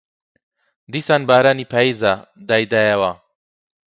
دیسان بارانی پاییزە دایدایەوە